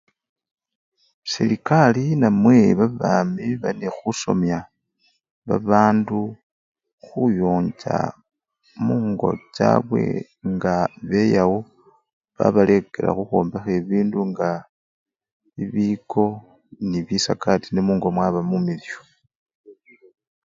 Serekari namwe babami balinekhusomya babandu khuyonja mungo chabwe nga beyawo, babalekela khukhwombekha bibindu nga bibiko nende bisakati nemungo mwaba mumiliyu.